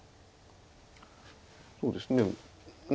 そうですね。